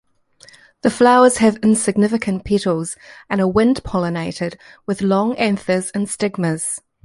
The flowers have insignificant petals and are wind-pollinated, with long anthers and stigmas.